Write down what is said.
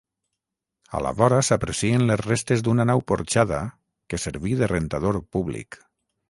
A la vora s'aprecien les restes d'una nau porxada que serví de rentador públic.